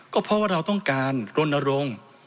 ก็เพราะว่าเราต้องการรณรงค์